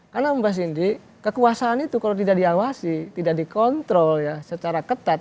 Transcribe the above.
karena mbak cindy kekuasaan itu kalau tidak diawasi tidak dikontrol ya secara ketat